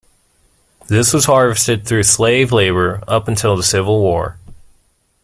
This was harvested through slave labor up until the Civil War.